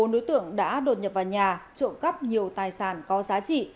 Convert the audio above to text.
bốn đối tượng đã đột nhập vào nhà trộm cắp nhiều tài sản có giá trị